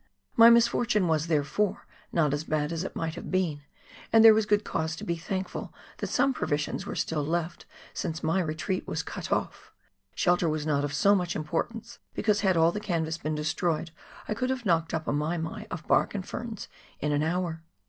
My misfortune was, therefore, not as bad as it might have been, and there was good cause to be thankful that some provisions were still left since my retreat was cut off; shelter was not of so much importance, because had all the canvas been destroyed I could have knocked up a " mai mai " of bark and ferns in an hour.